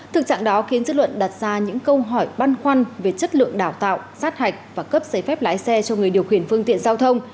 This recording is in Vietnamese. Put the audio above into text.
thực trạng đó khiến dư luận đặt ra những câu hỏi băn khoăn về chất lượng đào tạo sát hạch và cấp giấy phép lái xe cho người điều khiển phương tiện giao thông